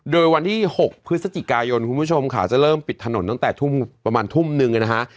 โดยวันที่๖พฤศจิกายนคุณผู้ชมค่ะจะเริ่มปิดถนนตั้งแต่ทุ่มประมาณทุ่มนึงนะฮะ